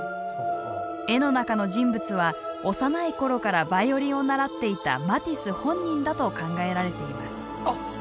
絵の中の人物は幼い頃からヴァイオリンを習っていたマティス本人だと考えられています。